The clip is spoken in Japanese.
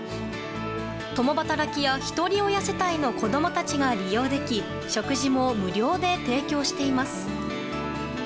共働きや、ひとり親世帯の子供たちが利用でき食事も無料で提供しています。